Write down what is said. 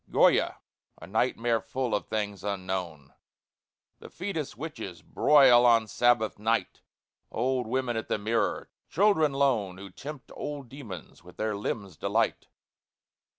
GOYA, a nightmare full of things unknown; The fÅtus witches broil on Sabbath night; Old women at the mirror; children lone Who tempt old demons with their limbs delight.